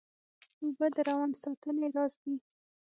اوبه د روان ساتنې راز دي